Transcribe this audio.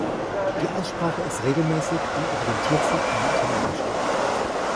Die Aussprache ist regelmäßig und orientiert sich an der italienischen.